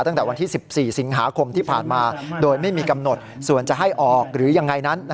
ตั้งแต่วันที่๑๔สิงหาคมที่ผ่านมาโดยไม่มีกำหนดส่วนจะให้ออกหรือยังไงนั้น